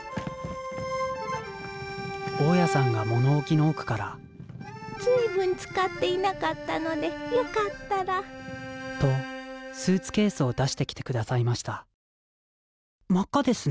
大家さんが物置の奥から随分使っていなかったのでよかったら。とスーツケースを出してきて下さいました真っ赤ですね。